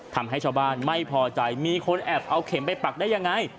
ทำให้ชาวบ้านไม่พอใจมีคนแอบเอาเข็มไปปักได้ยังไง